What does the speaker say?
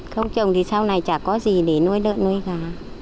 không trồng thì sau này chả có gì để nuôi đợt nuôi gà